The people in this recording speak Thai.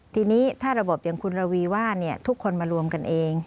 ทีนี้ถ้าระบบอย่างคุณระวีว่าทุกคนมารวมกันเอง